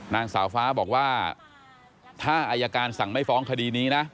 นางสาวฟ้าบอกว่าถ้าอายการสั่งไม่ฟ้องคดีนี้นะ